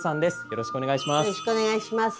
よろしくお願いします。